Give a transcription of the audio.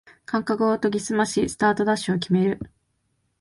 感覚を研ぎすましスタートダッシュを決める